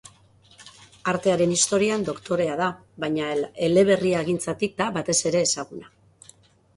Artearen historian doktorea da, baina eleberrigintzagatik da, batez ere, ezaguna.